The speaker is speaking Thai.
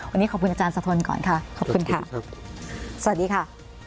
วันนี้ขอบคุณอาจารย์สะทนก่อนค่ะขอบคุณค่ะครับสวัสดีค่ะ